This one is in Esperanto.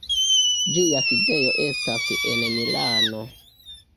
Ĝia sidejo estas en Milano.